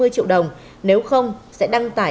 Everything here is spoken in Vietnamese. hai mươi triệu đồng nếu không sẽ đăng tải